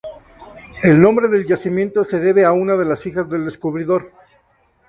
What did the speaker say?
El nombre del yacimiento se debe a una de las hijas del descubridor.